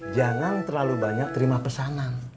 jangan terlalu banyak terima pesanan